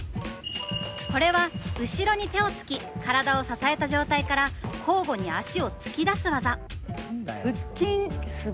これは後ろに手をつき体を支えた状態から交互に足を突き出す技。